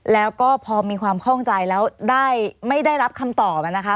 แล้วก็พอมีความคล่องใจแล้วไม่ได้รับคำตอบนะคะ